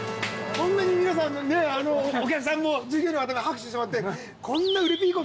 こんなに皆さんにねお客さんも従業員の方も拍手してもらって。